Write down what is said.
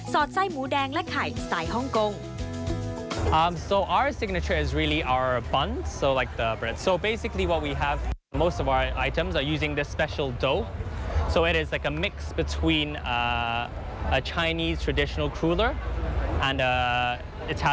อดไส้หมูแดงและไข่สไตล์ฮ่องกง